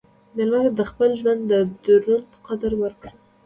مېلمه ته د خپل ژوند دروند قدر ورکړه.